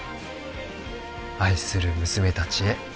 「愛する娘たちへ」